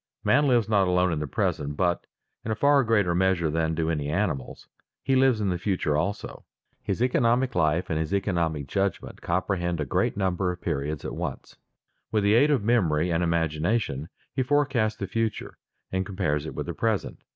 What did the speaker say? Man lives not alone in the present but, in a far greater measure than do any animals, he lives in the future also. His economic life and his economic judgment comprehend a great number of periods at once. With the aid of memory and imagination he forecasts the future, and compares it with the present.